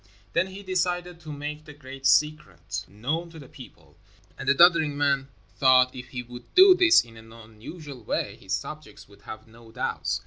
Then he decided to make the great secret known to the people, and the doddering old man thought if he would do this in an unusual way, his subjects would have no doubts.